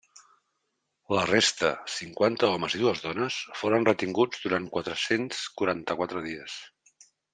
La resta, cinquanta homes i dues dones, foren retinguts durant quatre-cents quaranta-quatre dies.